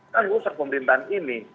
kan usap pemerintahan ini